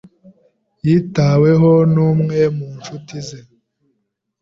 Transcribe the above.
Yitaweho n'umwe mu ncuti ze.